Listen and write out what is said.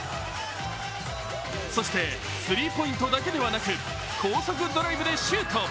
そしてスリーポイントだけではなく高速ドライブでシュート。